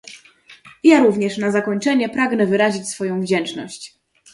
Ja również na zakończenie pragnę wyrazić swoją wdzięczność